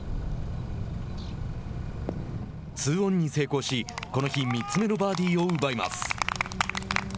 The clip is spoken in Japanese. ２オンに成功しこの日３つ目のバーディーを奪います。